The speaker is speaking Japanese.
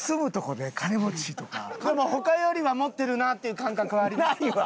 でも他よりは持ってるなっていう感覚はあります？ないわ！